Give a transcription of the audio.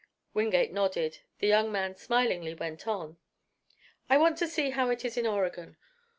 Wingate nodded. The young man smilingly went on: "I want to see how it is in Oregon.